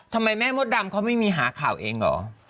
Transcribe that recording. ทำไมแม่มดดำเขาไม่มีหาข่าวเองเหรอ